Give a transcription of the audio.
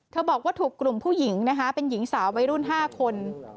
บอกว่าถูกกลุ่มผู้หญิงนะคะเป็นหญิงสาววัยรุ่น๕คน